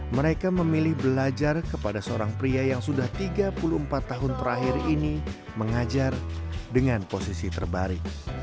mereka memilih belajar kepada seorang pria yang sudah tiga puluh empat tahun terakhir ini mengajar dengan posisi terbaring